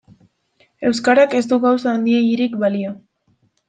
Euskarak ez du gauza handiegirik balio.